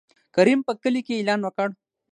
کريم په کلي کې يې اعلان وکړ.